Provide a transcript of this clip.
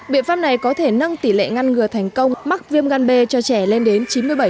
biện pháp này có thể nâng tỷ lệ ngăn ngừa thành công mắc viêm gan b cho trẻ lên đến chín mươi bảy